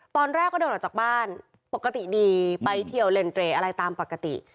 ตอนแรกก็เดินออกจากบ้านปกติดีไปเที่ยวเล่นเกรดอะไรตามปกติ